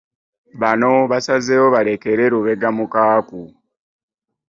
Bano basazeewo balekere Lubega Mukaaku.